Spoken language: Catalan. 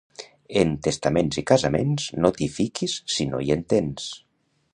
En testament i casaments no t'hi fiquis si no hi entens.